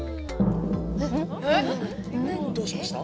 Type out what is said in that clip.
えっ？どうしました？